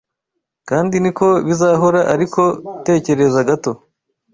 kandi ni ko bizahora Ariko tekereza gato